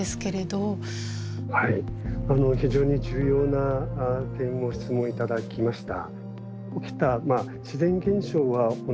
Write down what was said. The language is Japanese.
はい非常に重要な点ご質問いただきました。